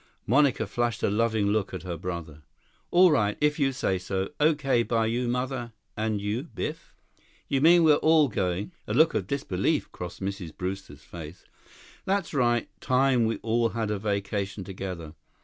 Monica flashed a loving look at her brother. "All right, if you say so. Okay by you, Mother? And you, Biff?" "You mean we're all going?" A look of disbelief crossed Mrs. Brewster's face. "That's right. Time we all had a vacation together.